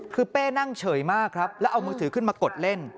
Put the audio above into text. คือเป้นั่งเฉยมากครับแล้วเอามือถือขึ้นมากดเล่น